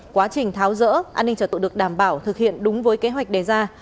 quá trình tháo rỡ an ninh trật tự được đảm bảo thực hiện đúng với kế hoạch đề ra